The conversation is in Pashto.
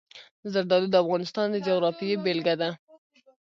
زردالو د افغانستان د جغرافیې بېلګه ده.